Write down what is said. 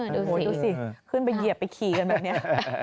ดูสิขึ้นไปเหยียบไปขี่กันแบบนี้